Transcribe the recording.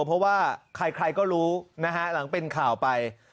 เพราะว่าใครก็รู้นะฮะหลังเป็นข่าวไป